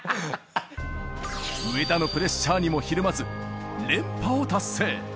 上田のプレッシャーにもひるまず、連覇を達成。